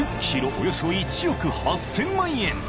およそ１億８，０００万円